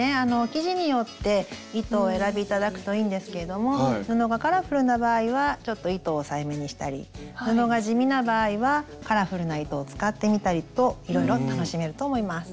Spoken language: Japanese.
生地によって糸を選び頂くといいんですけれども布がカラフルな場合はちょっと糸を抑えめにしたり布が地味な場合はカラフルな糸を使ってみたりといろいろ楽しめると思います。